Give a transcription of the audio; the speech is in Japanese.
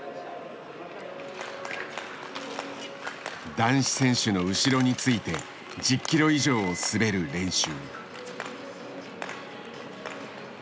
男子選手の後ろについて１０ｋｍ以上を滑る練習。